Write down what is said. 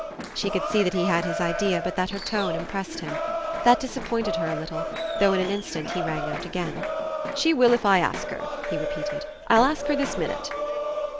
She could see that he had his idea, but that her tone impressed him. That disappointed her a little, though in an instant he rang out again. "She will if I ask her," he repeated. "I'll ask her this minute."